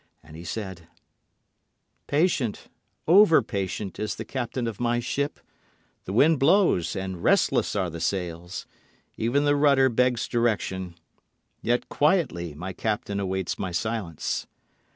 And he said: Patient, over patient, is the captain of my ship. The wind blows, and restless are the sails; Even the rudder begs direction; Yet quietly my captain awaits my silence.